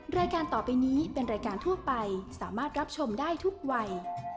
รายการต่อไปนี้เป็นรายการทั่วไปสามารถรับชมได้ทุกวัย